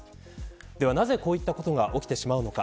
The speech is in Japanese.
ではなぜ、こういったことが起きてしまうのか。